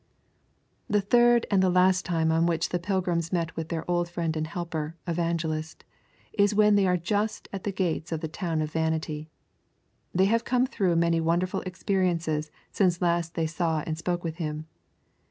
The third and the last time on which the pilgrims meet with their old friend and helper, Evangelist, is when they are just at the gates of the town of Vanity. They have come through many wonderful experiences since last they saw and spoke with him.